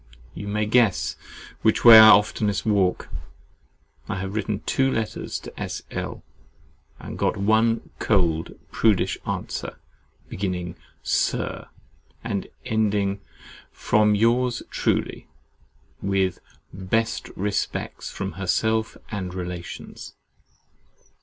You may guess which way I oftenest walk. I have written two letters to S. L. and got one cold, prudish answer, beginning SIR, and ending FROM YOURS TRULY, with BEST RESPECTS FROM HERSELF AND RELATIONS.